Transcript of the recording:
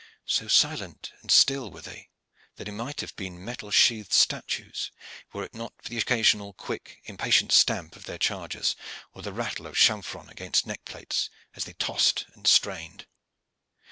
So silent and still were they, that they might have been metal sheathed statues, were it not for the occasional quick, impatient stamp of their chargers, or the rattle of chamfron against neck plates as they tossed and strained.